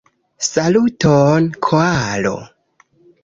Saluton, koalo!